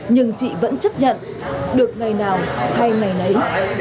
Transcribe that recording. nhưng chị vẫn chấp nhận được ngày nào hay ngày nấy